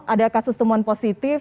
ada kasus temuan positif